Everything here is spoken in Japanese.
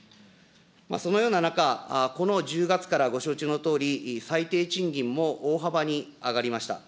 そのような中、この１０月からご承知のとおり、最低賃金も大幅に上がりました。